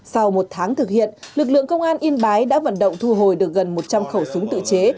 sau một tháng thực hiện lực lượng công an yên bái đã vận động thu hồi được gần một trăm linh khẩu súng tự chế